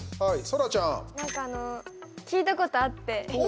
なんか聞いたことあって。